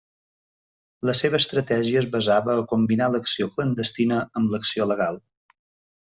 La seva estratègia es basava a combinar l'acció clandestina amb l'acció legal.